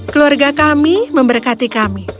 keluarga kami memberkati kami